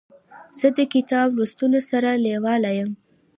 زه د کتاب لوستلو سره لیواله یم.